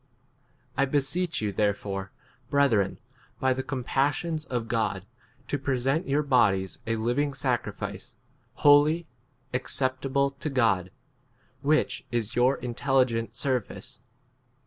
I beseech you therefore, breth ren, by the compassions of God, to present your bodies a living sacrifice, holy, acceptable to God, [which is] your intelligent ser 2 vice.